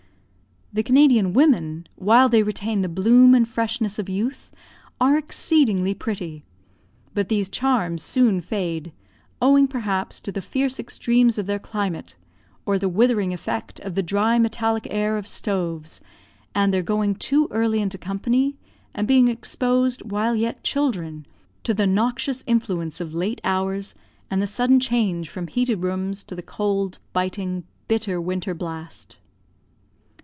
The Canadian women, while they retain the bloom and freshness of youth, are exceedingly pretty; but these charms soon fade, owing, perhaps, to the fierce extremes of their climate, or the withering effect of the dry metallic air of stoves, and their going too early into company and being exposed, while yet children, to the noxious influence of late hours, and the sudden change from heated rooms to the cold, biting, bitter winter blast.